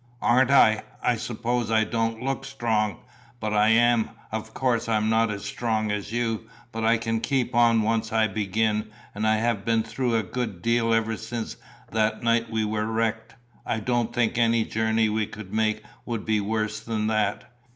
"Aren't I? I suppose I don't look strong, but I am, of course I'm not as strong as you, but I can keep on once I begin, and I have been through a good deal ever since that night we were wrecked, I don't think any journey we could make would be worse than that.